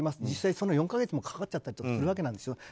実際４か月もかかっちゃったりするわけなんですよ。